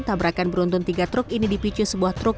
tabrakan beruntun tiga truk ini dipicu sebuah truk